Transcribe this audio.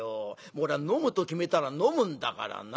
俺は飲むと決めたら飲むんだからな。